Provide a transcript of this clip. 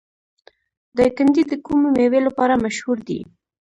دایکنډي د کومې میوې لپاره مشهور دی؟